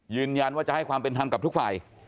ยืนยันว่าจะให้ความเป็นธรรมกับทุกฝ่าย